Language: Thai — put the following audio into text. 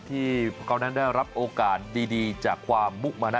ที่เขานั้นได้รับโอกาสดีจากความมุมานะ